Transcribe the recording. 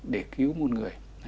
để cứu một người